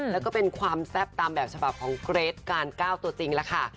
แล้วก็เป็นความแซ่บตามแบบฉบับของเกรทการ๙ตัวจริงแล้วค่ะ